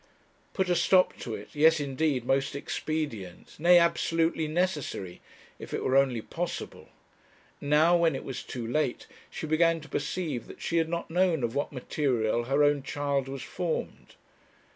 Put a stop to it! Yes, indeed, most expedient; nay, absolutely necessary if it were only possible. Now, when it was too late, she began to perceive that she had not known of what material her own child was formed.